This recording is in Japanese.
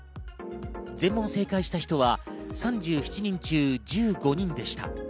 全問正解した人は３７人中１５人でした。